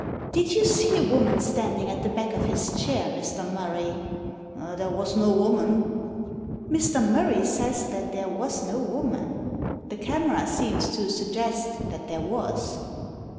Did you see a woman standing at the back of his chair, Mr. Murray ?"" There was no woman." " Mr. Murray says that there was no woman ; the camera seems to suggest that there was."